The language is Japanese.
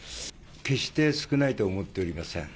決して少ないと思っておりません。